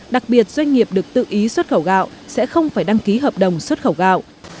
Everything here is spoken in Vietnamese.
đặc biệt doanh nghiệp được tự ý xuất khẩu gạo sẽ không phải đăng ký hợp đồng xuất khẩu gạo